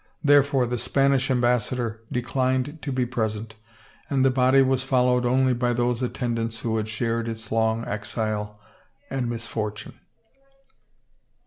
Therefore, the Spanish Ambassador declined to be present and the body was followed only by those at tendants who had shared its long exile and misfortune.